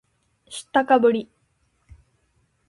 知ったかぶり